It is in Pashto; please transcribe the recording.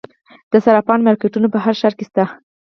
د صرافانو مارکیټونه په هر ښار کې شته